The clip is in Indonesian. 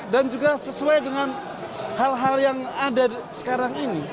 juga sesuai dengan hal hal yang ada sekarang ini